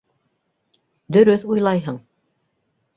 Дөрөҫ уйлайһың.